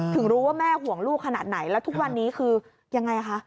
ถึงรู้ว่าแม่ห่วงลูกขนาดไหนแล้วทุกวันนี้คือยังไงคะ